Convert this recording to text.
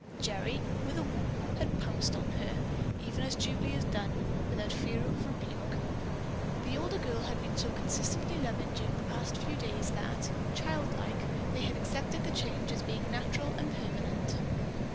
Gerry, with a whoop, had pounced upon her, even as Julie had done, without fear of rebuke. The older girl had been so consistently loving during the past few days that, childlike, they had accepted the change as being natural and permanent.